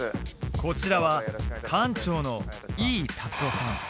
こちらは館長の井伊達夫さん